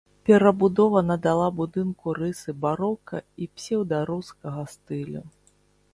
Перабудова надала будынку рысы барока і псеўдарускага стылю.